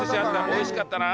おいしかったな。